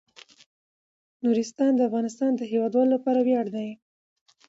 نورستان د افغانستان د هیوادوالو لپاره ویاړ دی.